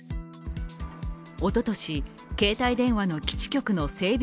おととし、携帯電話の基地局の整備